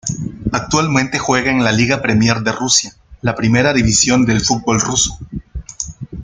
Actualmente juega en la Liga Premier de Rusia, la primera división del fútbol ruso.